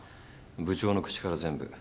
部長の口から全部。